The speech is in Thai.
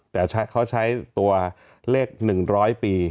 แต่เขาใช้ตัวเลข๑๐๐ปี